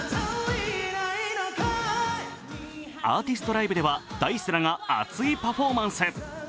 アーティストライブではＤａ−ｉＣＥらが熱いパフォーマンス。